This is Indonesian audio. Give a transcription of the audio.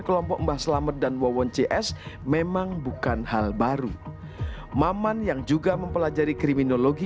kelompok mbah selamet dan wawon cs memang bukan hal baru maman yang juga mempelajari kriminologi